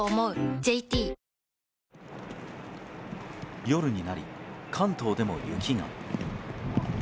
ＪＴ夜になり、関東でも雪が。